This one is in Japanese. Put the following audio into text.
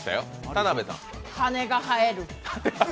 羽が生える。